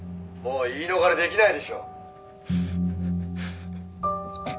「もう言い逃れできないでしょ」